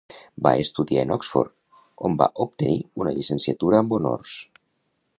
Va estudiar en Oxford, on va obtenir una llicenciatura amb honors.